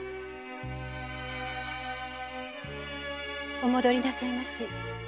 お戻りなさいまし。